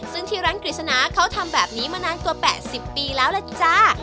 ซึ่งที่ร้านกฤษณาเขาทำแบบนี้มานานกว่า๘๐ปีแล้วล่ะจ้า